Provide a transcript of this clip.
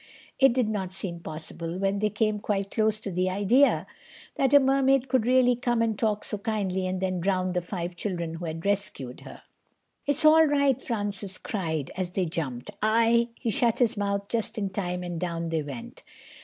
It did not seem possible—when they came quite close to the idea—that a Mermaid could really come and talk so kindly and then drown the five children who had rescued her. "It's all right," Francis cried as they jumped. "I ..." He shut his mouth just in time, and down they went.